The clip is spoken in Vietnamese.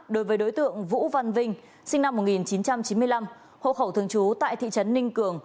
đối với đối tượng vũ văn vinh sinh năm một nghìn chín trăm chín mươi năm hộ khẩu thường trú tại thị trấn ninh cường